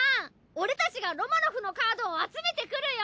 俺たちがロマノフのカードを集めてくるよ！